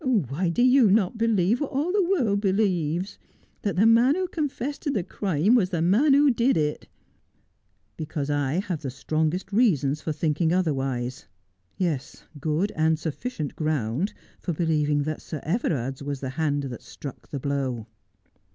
Why do you not be lieve what all the world believes — that the man who confessed to the crime was the man who did it ?'' Because I have the strongest reasons for thinking otherwise ■— ves, good and sullicient ground for believing that Sir Everard's was the hand that struck the blow.'